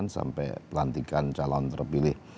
sampai pelantikan calon terpilih